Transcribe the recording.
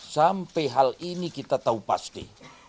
sampai hal ini kita tahu pasti